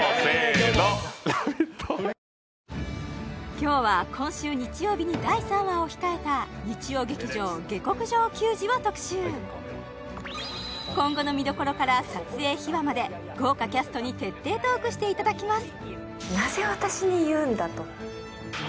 今日は今週日曜日に第３話を控えた日曜劇場「下剋上球児」を特集今後の見どころから撮影秘話まで豪華キャストに徹底トークしていただきます